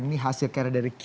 yang ini hasil kayaknya dari q